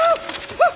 あっ！